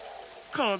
かぜ？